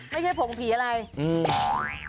ไม่ใช่ผงผีอะไรนะ